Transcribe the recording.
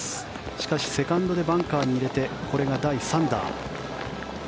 しかしセカンドでバンカーに入れてこれが第３打。